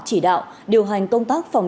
chỉ đạo điều hành công tác phòng